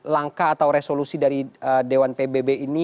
langkah atau resolusi dari dewan pbb ini